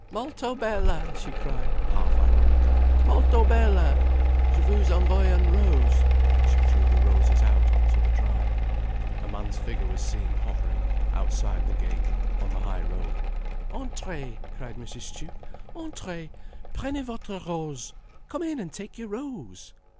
"Molto bella!" she cried, half ironically. "Molto bella! Je vous envoie une rose—" And she threw the roses out on to the drive. A man's figure was seen hovering outside the gate, on the high road. "Entrez!" called Mrs. Tuke. "Entrez! Prenez votre rose. Come in and take your rose."